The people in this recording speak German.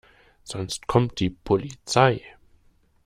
Sonst kommt die Polizei.